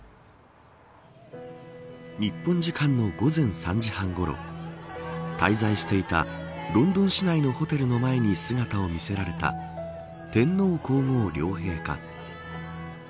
日本時間の午前３時半ごろ滞在していたロンドン市内のホテルの前に姿を見せられた天皇皇后両陛下。